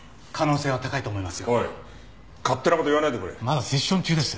まだセッション中です。